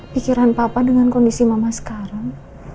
pikiran papa dengan kondisi mama sekarang